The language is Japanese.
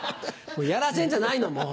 やらせるんじゃないのもう。